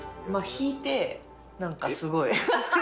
引いて、なんかすごい。